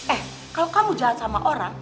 eh kalau kamu jahat sama orang